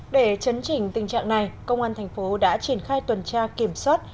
để chấn chỉnh tình trạng này công an thành phố đã triển khai tuần tra kiểm soát